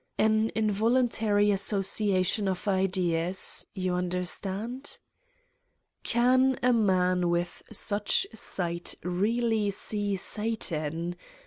An involuntary as sociation of ideas ... you understand. Can a man with such sight really see Satan?